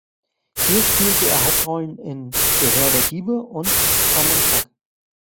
Hier spielte er Hauptrollen in "Der Herr der Diebe" und "Tom und Huck".